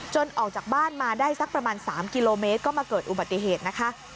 ออกจากบ้านมาได้สักประมาณ๓กิโลเมตรก็มาเกิดอุบัติเหตุนะคะ